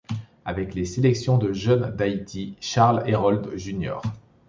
Avec les sélections de jeunes d'Haïti, Charles Hérold Jr.